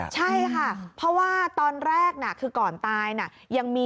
ใช่ค่ะเพราะว่าตอนแรกคือก่อนตาย